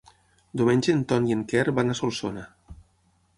Diumenge en Ton i en Quer van a Solsona.